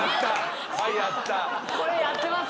これやってます。